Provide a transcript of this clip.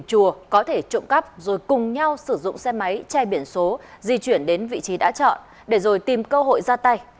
chùa có thể trộm cắp rồi cùng nhau sử dụng xe máy che biển số di chuyển đến vị trí đã chọn để rồi tìm cơ hội ra tay